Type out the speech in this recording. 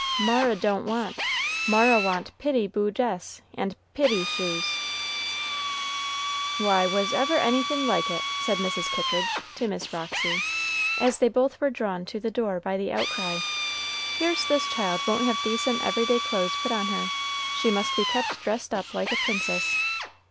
"Mara don't want Mara want pitty boo des and pitty shoes." "Why, was ever anything like it?" said Mrs. Kittridge to Miss Roxy, as they both were drawn to the door by the outcry; "here's this child won't have decent every day clothes put on her, she must be kept dressed up like a princess.